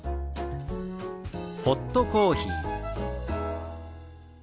「ホットコーヒー」。